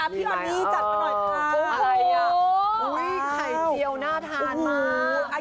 พี่อันนี้จัดมาหน่อยค่ะอุ้ยไข่เจียวน่าทานมาก